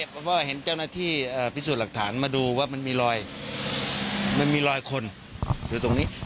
เพราะว่าเห็นเจ้าหน้าที่พิสูจน์หลักฐานมาดูว่ามันมีรอยมันมีรอยคนอยู่ตรงนี้